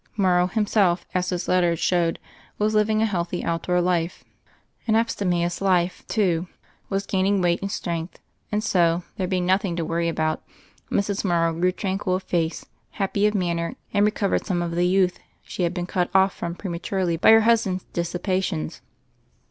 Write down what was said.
Morrow, himself, as his letters showed, was living a healthy, outdoor life — an abstemious life, too — ^was gaining weight and strength; and so, there being nothing to worry about, Mrs. Morrow grew tranquil of face, happy of manner, and recovered some of the youth she had been cut off from prematurely by her husband's dissipations.